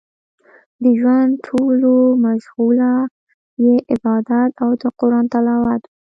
د ژوند ټوله مشغولا يې عبادت او د قران تلاوت و.